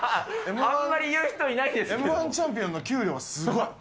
Ｍー１チャンピオンの給料はすごい。